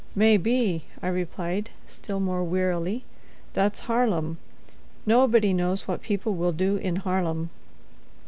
"May be," I replied, still more wearily. "That's Harlem. Nobody knows what people will do in Harlem."